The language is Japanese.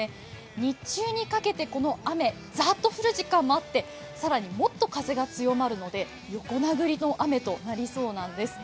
日中にかけて、この雨、ザーっと降る時間もあって、更にもっと風が強まるので横殴りの雨となりそうなんです。